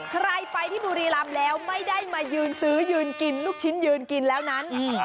ใครไปที่บุรีรำแล้วไม่ได้มายืนซื้อยืนกินลูกชิ้นยืนกินแล้วนั้น